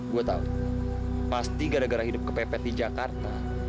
gue tahu pasti gara gara hidup kepepet di jakarta